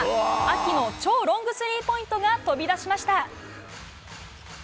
アキの超ロングスリーポイントが飛び出しました。